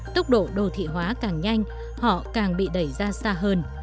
tốc độ đô thị hóa càng nhanh họ càng bị đẩy ra xa hơn